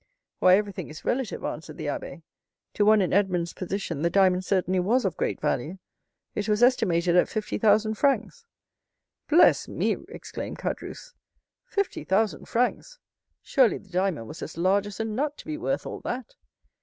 "Why, everything is relative," answered the abbé. "To one in Edmond's position the diamond certainly was of great value. It was estimated at fifty thousand francs." "Bless me!" exclaimed Caderousse, "fifty thousand francs! Surely the diamond was as large as a nut to be worth all that."